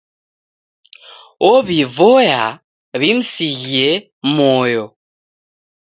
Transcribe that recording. Ow'ivoya wimsighie moyo.